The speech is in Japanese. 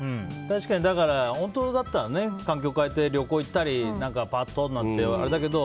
確かに、本当だったら環境を変えて旅行に行ったりぱっとなんてあれだけど。